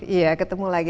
iya ketemu lagi